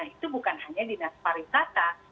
itu bukan hanya dinas pariwisata